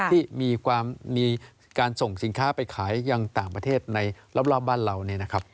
ที่มีการส่งสินค้าไปขายยังต่างประเทศในรอบบ้านเราเนี่ยนะครับ